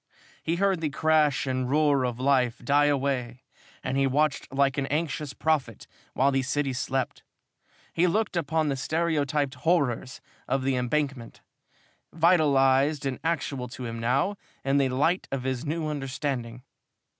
He heard the crash and roar of life die away and he watched like an anxious prophet while the city slept. He looked upon the stereotyped horrors of the Embankment, vitalized and actual to him now in the light of his new understanding.